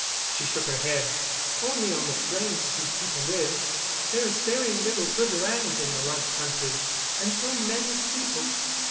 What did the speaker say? She shook her head. "Only on the plains do people live. There is very little of good land in the Light Country, and so many people.